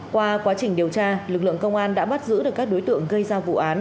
qua quá trình điều tra lực lượng công an đã bắt giữ được các đối tượng gây ra vụ án